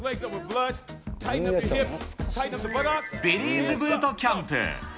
ビリーズブートキャンプ。